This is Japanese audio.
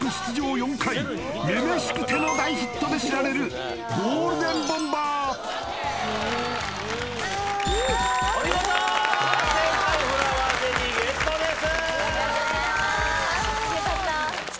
４回「女々しくて」の大ヒットで知られるゴールデンボンバーお見事ー正解フラワーゼリーゲットです